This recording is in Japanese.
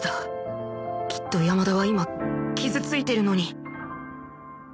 きっと山田は今傷ついてるのに